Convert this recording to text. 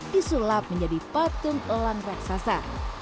disulap menjadi patung elang raksasa